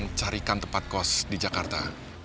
mencarikan tempat kos di jakarta